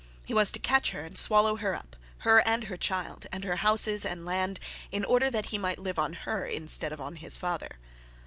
He was to catch her, and swallow her up, her and her child, and her houses and land, in order that he might live on her instead of on his father.